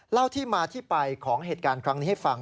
เล่าที่มาที่ไปของเหตุการณ์ครั้งนี้ให้ฟัง